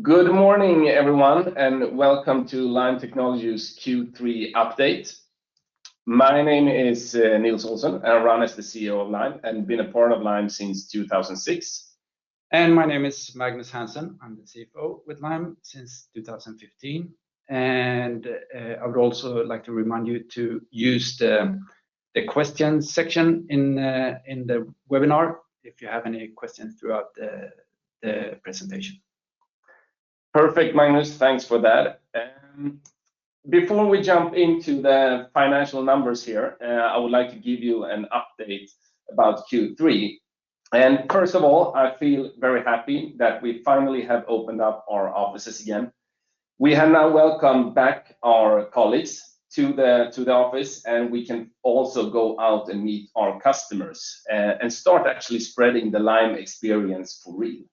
Good morning, everyone, and welcome to Lime Technologies' Q3 Update. My name is Nils Olsson, and I run as the CEO of Lime and been a part of Lime since 2006. My name is Magnus Hansson. I'm the CFO with Lime since 2015. I would also like to remind you to use the question section in the webinar if you have any questions throughout the presentation. Perfect, Magnus. Thanks for that. Before we jump into the financial numbers here, I would like to give you an update about Q3. First of all, I feel very happy that we finally have opened up our offices again. We have now welcomed back our colleagues to the office, and we can also go out and meet our customers and start actually spreading the Lime experience for real.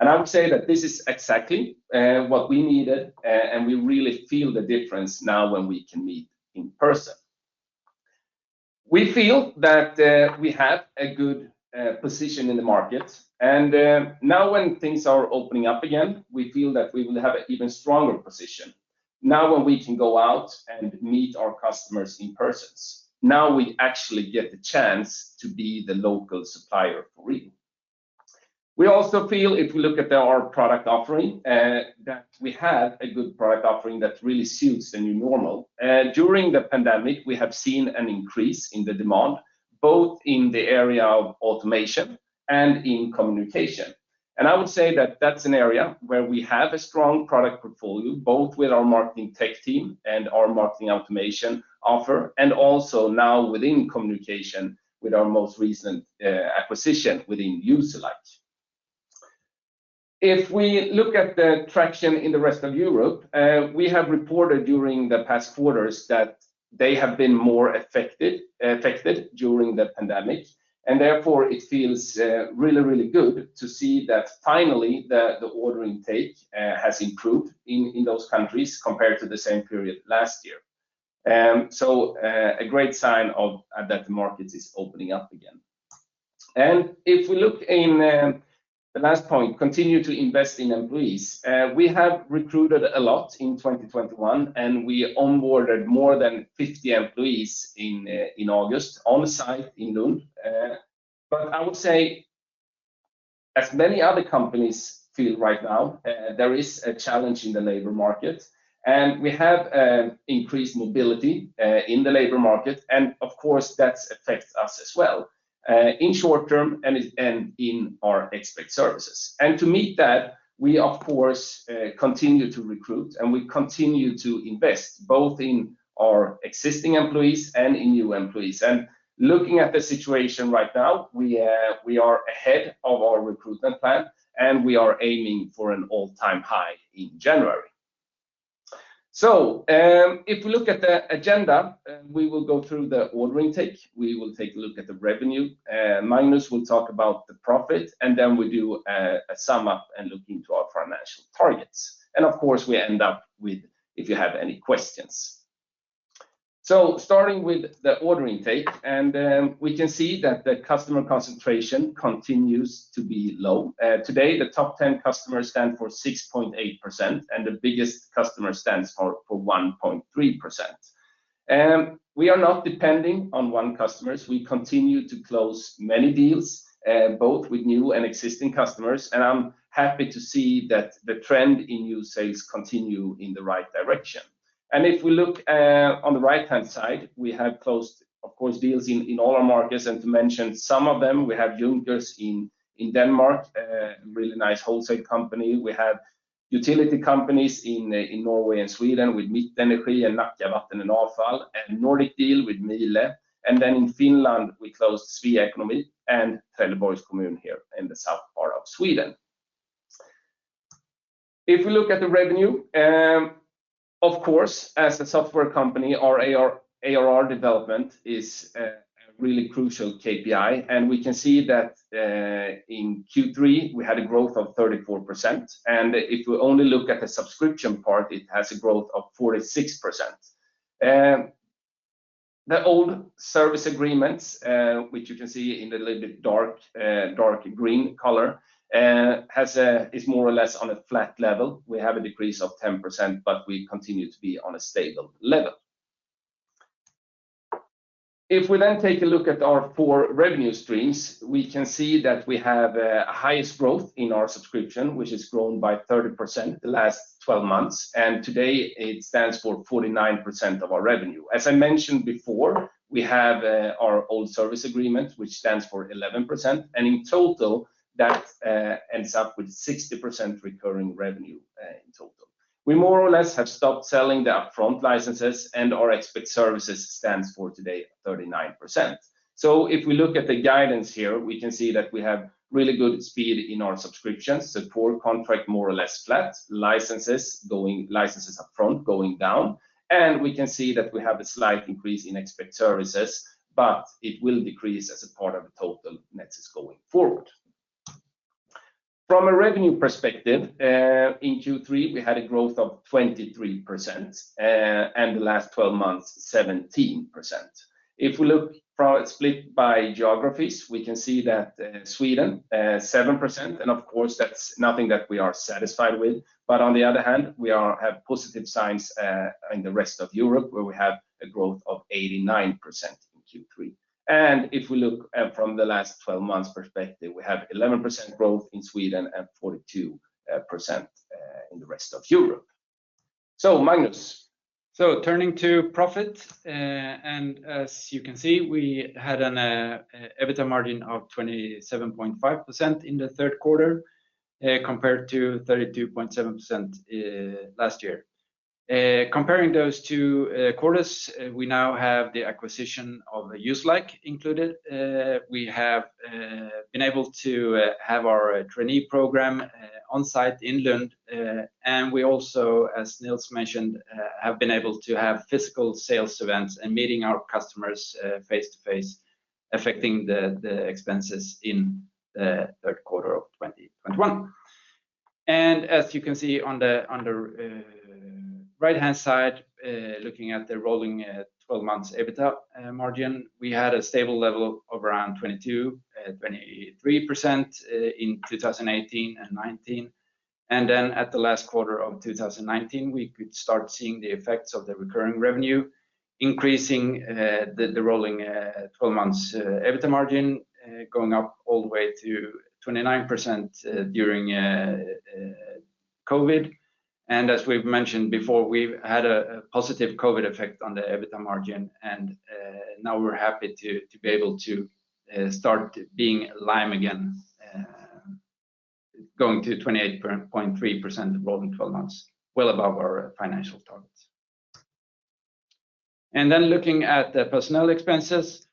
I would say that this is exactly what we needed, and we really feel the difference now when we can meet in person. We feel that we have a good position in the market. Now when things are opening up again, we feel that we will have an even stronger position now when we can go out and meet our customers in person. Now we actually get the chance to be the local supplier for real. We also feel, if we look at our product offering, that we have a good product offering that really suits the new normal. During the pandemic, we have seen an increase in the demand, both in the area of automation and in communication. I would say that that's an area where we have a strong product portfolio, both with our marketing tech team and our marketing automation offer, and also now within communication with our most recent acquisition within Userlike. If we look at the traction in the rest of Europe, we have reported during the past quarters that they have been more affected during the pandemic, and therefore it feels really, really good to see that finally the order intake has improved in those countries compared to the same period last year. A great sign that the market is opening up again. If we look in the last point, continue to invest in employees, we have recruited a lot in 2021, and we onboarded more than 50 employees in August on site in Lund. I would say as many other companies feel right now, there is a challenge in the labor market, and we have increased mobility in the labor market, and of course, that affects us as well, in short term and in our expert services. To meet that, we of course, continue to recruit, and we continue to invest both in our existing employees and in new employees. Looking at the situation right now, we are ahead of our recruitment plan, and we are aiming for an all-time high in January. If we look at the agenda, we will go through the order intake, we will take a look at the revenue. Magnus will talk about the profit, and then we do a sum up and look into our financial targets. Of course, we end up with if you have any questions. Starting with the order intake, and we can see that the customer concentration continues to be low. Today, the top 10 customers stand for 6.8%, and the biggest customer stands for 1.3%. We are not depending on one customer. We continue to close many deals, both with new and existing customers. I'm happy to see that the trend in new sales continue in the right direction. If we look on the right-hand side, we have closed, of course, deals in all our markets. To mention some of them, we have Junckers in Denmark, a really nice wholesale company. We have utility companies in Norway and Sweden with Midt Energi and Nacka vatten och avfall. A Nordic deal with Miele. In Finland, we closed Svea Ekonomi and Trelleborgs Kommun here in the south part of Sweden. If we look at the revenue, of course, as a software company, our ARR development is a really crucial KPI, and we can see that in Q3, we had a growth of 34%. If we only look at the subscription part, it has a growth of 46%. The old service agreements, which you can see in the little bit dark green color, is more or less on a flat level. We have a decrease of 10%, but we continue to be on a stable level. If we then take a look at our four revenue streams, we can see that we have highest growth in our subscription, which has grown by 30% the last 12 months. Today it stands for 49% of our revenue. As I mentioned before, we have our old service agreement, which stands for 11%, and in total, that ends up with 60% recurring revenue in total. We more or less have stopped selling the upfront licenses, and our expert services stands for today 39%. If we look at the guidance here, we can see that we have really good speed in our subscriptions. Support contract, more or less flat. Licenses upfront going down. We can see that we have a slight increase in expert services, but it will decrease as a part of the total net since going forward. From a revenue perspective, in Q3, we had a growth of 23%, and the last 12 months, 17%. If we look split by geographies, we can see that in Sweden, 7%. Of course, that's nothing that we are satisfied with. On the other hand, we have positive signs in the rest of Europe, where we have a growth of 89% in Q3. If we look from the last 12 months perspective, we have 11% growth in Sweden and 42% in the rest of Europe. Magnus. Turning to profit, as you can see, we had an EBITDA margin of 27.5% in the third quarter compared to 32.7% last year. Comparing those two quarters, we now have the acquisition of Userlike included. We have been able to have our trainee program on-site in Lund. We also, as Nils mentioned, have been able to have physical sales events and meeting our customers face-to-face, affecting the expenses in the third quarter of 2021. As you can see on the right-hand side, looking at the rolling 12 months EBITDA margin, we had a stable level of around 22%, 23% in 2018 and 2019. At the last quarter of 2019, we could start seeing the effects of the recurring revenue, increasing the rolling 12 months EBITDA margin, going up all the way to 29% during COVID. As we've mentioned before, we've had a positive COVID effect on the EBITDA margin, now we're happy to be able to start being Lime again, going to 28.3% rolling 12 months, well above our financial targets. Looking at the personnel expenses,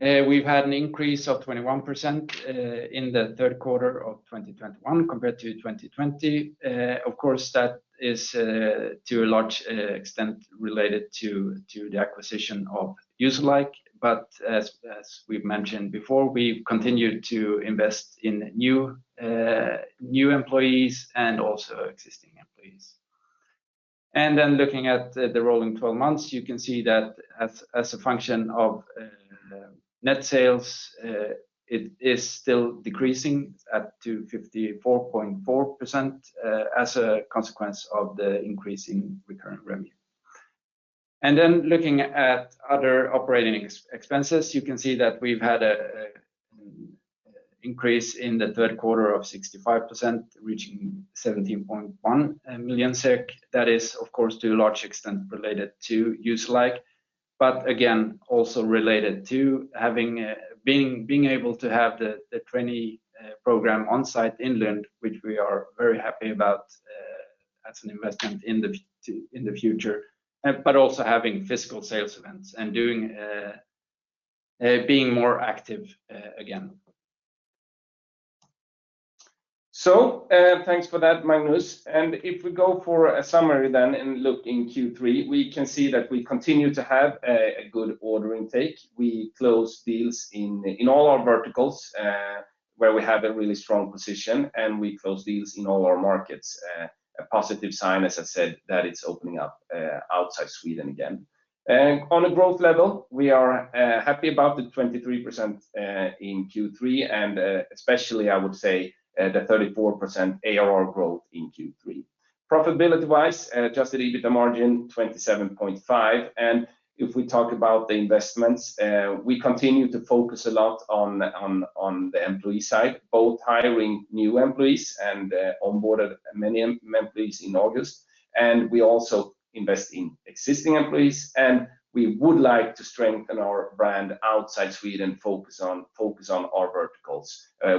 we've had an increase of 21% in the third quarter of 2021 compared to 2020. Of course, that is to a large extent related to the acquisition of Userlike. As we've mentioned before, we've continued to invest in new employees and also existing employees. Looking at the rolling 12 months, you can see that as a function of net sales, it is still decreasing at 54.4% as a consequence of the increase in recurring revenue. Looking at other operating expenses, you can see that we've had an increase in the third quarter of 65%, reaching 17.1 million SEK. That is, of course, to a large extent related to Userlike, but again, also related to being able to have the trainee program on-site in Lund, which we are very happy about as an investment in the future. Also having physical sales events and being more active again. Thanks for that, Magnus. If we go for a summary then and look in Q3, we can see that we continue to have a good order intake. We close deals in all our verticals where we have a really strong position, and we close deals in all our markets. A positive sign, as I said, that it's opening up outside Sweden again. On a growth level, we are happy about the 23% in Q3, and especially, I would say, the 34% ARR growth in Q3. Profitability-wise, adjusted EBITDA margin 27.5%. If we talk about the investments, we continue to focus a lot on the employee side, both hiring new employees and onboarded many employees in August. We also invest in existing employees, and we would like to strengthen our brand outside Sweden, focus on our verticals.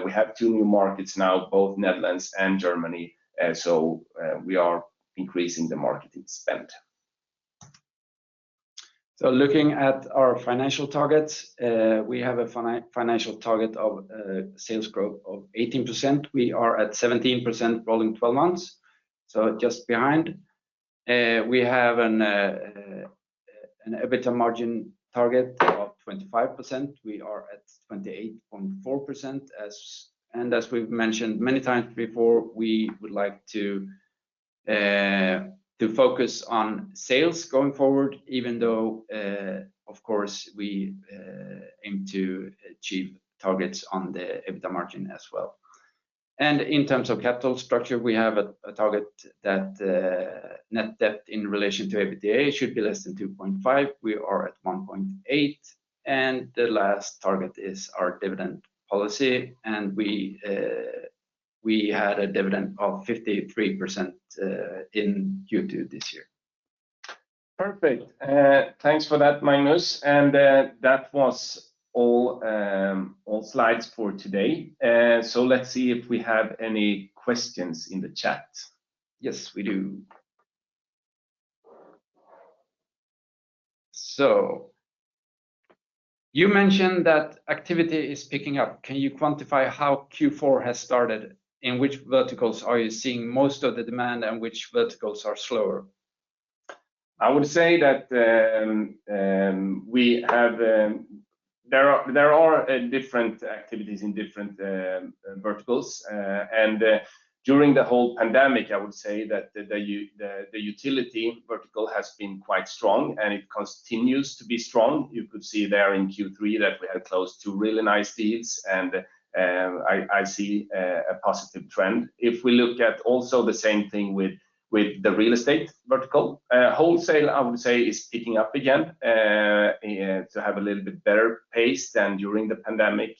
We have two new markets now, both Netherlands and Germany, so we are increasing the marketing spend. Looking at our financial targets, we have a financial target of sales growth of 18%. We are at 17% rolling 12 months, so just behind. We have an EBITDA margin target of 25%. We are at 28.4%. As we've mentioned many times before, we would like to focus on sales going forward, even though of course we aim to achieve targets on the EBITDA margin as well. In terms of capital structure, we have a target that net debt in relation to EBITDA should be less than 2.5x. We are at 1.8x. The last target is our dividend policy, and we had a dividend of 53% in Q2 this year. Perfect. Thanks for that, Magnus. That was all slides for today. Let's see if we have any questions in the chat. Yes, we do. You mentioned that activity is picking up. Can you quantify how Q4 has started? In which verticals are you seeing most of the demand and which verticals are slower? I would say that there are different activities in different verticals. During the whole pandemic, I would say that the utility vertical has been quite strong, and it continues to be strong. You could see there in Q3 that we had close to really nice deals, and I see a positive trend. If we look at also the same thing with the real estate vertical. Wholesale, I would say is picking up again to have a little bit better pace than during the pandemic.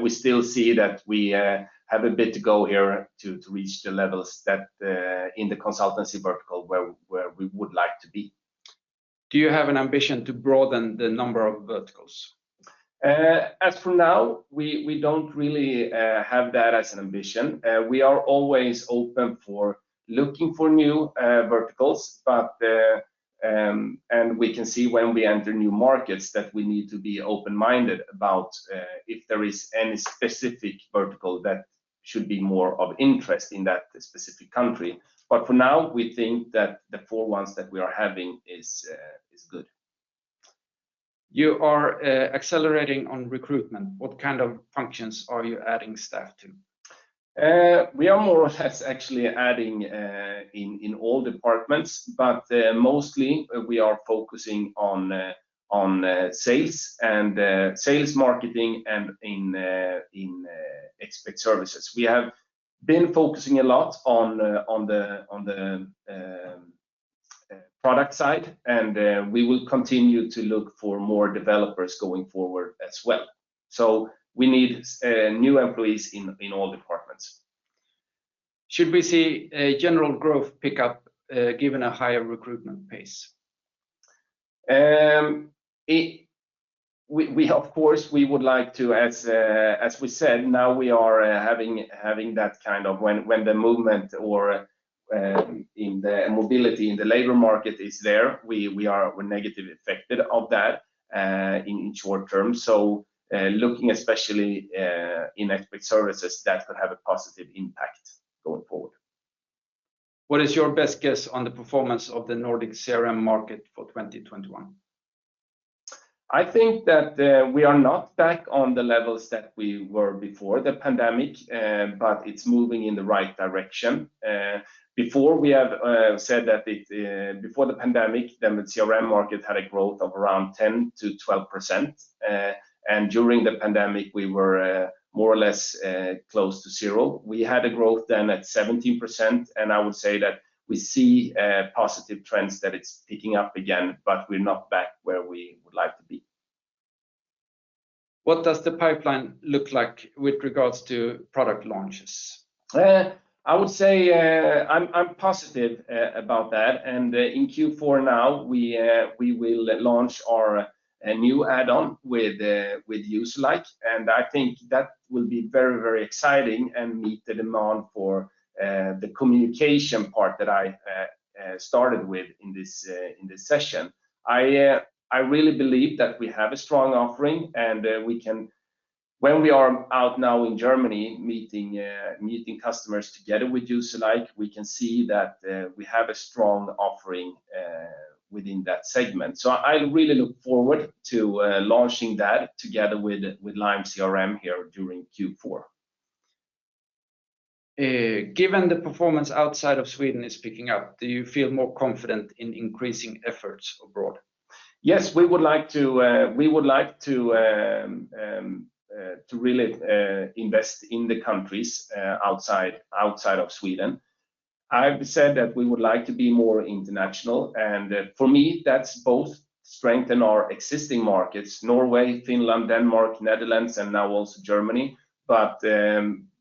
We still see that we have a bit to go here to reach the levels that in the consultancy vertical where we would like to be. Do you have an ambition to broaden the number of verticals? As from now, we don't really have that as an ambition. We are always open for looking for new verticals. We can see when we enter new markets that we need to be open-minded about if there is any specific vertical that should be more of interest in that specific country. For now, we think that the four ones that we are having is good. You are accelerating on recruitment. What kind of functions are you adding staff to? We are more or less actually adding in all departments. Mostly we are focusing on sales and sales marketing and in expert services. We have been focusing a lot on the product side, and we will continue to look for more developers going forward as well. We need new employees in all departments. Should we see a general growth pickup given a higher recruitment pace? Of course, we would like to, as we said, now we are having that kind of when the movement or in the mobility in the labor market is there, we are negatively affected of that in short term. Looking especially in expert services, that could have a positive impact going forward. What is your best guess on the performance of the Nordic CRM market for 2021? I think that we are not back on the levels that we were before the pandemic, but it's moving in the right direction. Before the pandemic, the CRM market had a growth of around 10% to 12%. During the pandemic, we were more or less close to 0. We had a growth then at 17%, and I would say that we see positive trends that it's picking up again, but we're not back where we would like to be. What does the pipeline look like with regards to product launches? I would say I'm positive about that. In Q4 now, we will launch our new add-on with Userlike, and I think that will be very exciting and meet the demand for the communication part that I started with in this session. I really believe that we have a strong offering, and when we are out now in Germany meeting customers together with Userlike, we can see that we have a strong offering within that segment. I really look forward to launching that together with Lime CRM here during Q4. Given the performance outside of Sweden is picking up, do you feel more confident in increasing efforts abroad? Yes, we would like to really invest in the countries outside of Sweden. I've said that we would like to be more international, and for me, that's both strengthen our existing markets, Norway, Finland, Denmark, Netherlands, and now also Germany.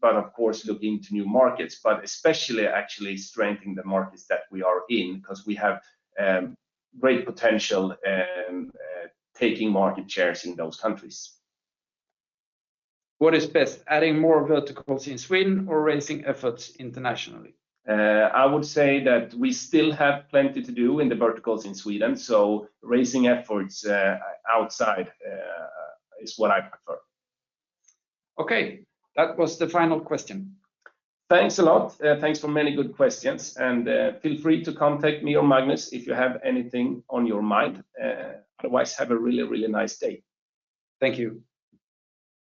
Of course, looking to new markets. Especially actually strengthening the markets that we are in because we have great potential taking market shares in those countries. What is best, adding more verticals in Sweden or raising efforts internationally? I would say that we still have plenty to do in the verticals in Sweden. Raising efforts outside is what I prefer. Okay. That was the final question. Thanks a lot. Thanks for many good questions, and feel free to contact me or Magnus if you have anything on your mind. Otherwise, have a really nice day. Thank you.